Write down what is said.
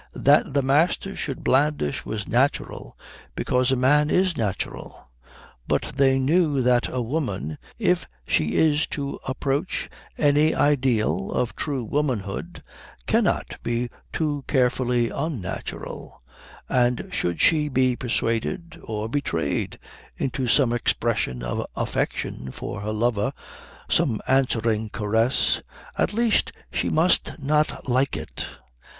That the Master should blandish was natural, because a man is natural; but they knew that a woman, if she is to approach any ideal of true womanhood, cannot be too carefully unnatural, and should she be persuaded or betrayed into some expression of affection for her lover, some answering caress, at least she must not like it.